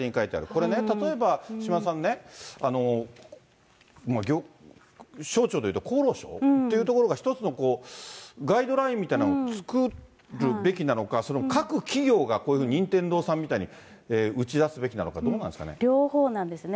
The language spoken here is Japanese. これね、例えば島田さんね、省庁でいうと、厚労省というところが、一つのこう、ガイドラインみたいなのを作るべきなのか、各企業がこういう任天堂さんみたいに打ち出すべきなのか、どうなんですか両方なんですね。